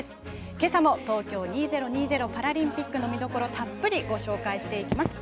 けさも東京２０２０パラリンピックの見どころたっぷりご紹介していきます。